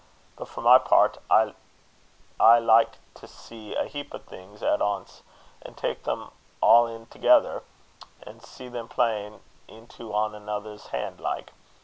But for my pairt, I aye like to see a heap o' things at ance, an' tak' them a' in thegither, an' see them playin' into ane anither's han' like.